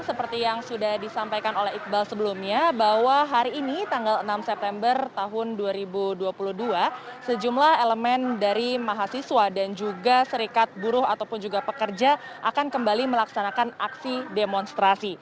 seperti yang sudah disampaikan oleh iqbal sebelumnya bahwa hari ini tanggal enam september tahun dua ribu dua puluh dua sejumlah elemen dari mahasiswa dan juga serikat buruh ataupun juga pekerja akan kembali melaksanakan aksi demonstrasi